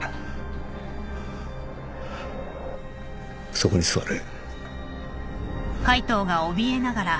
そこに座れ。